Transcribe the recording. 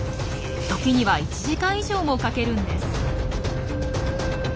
時には１時間以上もかけるんです。